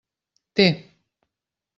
Té!